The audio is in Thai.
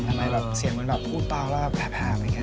แล้วทำไมเสียงมันก็แบบอุ๊ดหัวแล้วแผบอะไรอย่างนี้